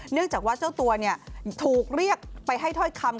เนื่องจากว่าเจ้าตัวถูกเรียกไปให้ถ้อยคำ